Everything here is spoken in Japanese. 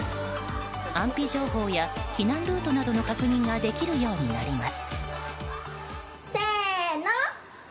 安否情報や避難ルートの確認などができるようになります。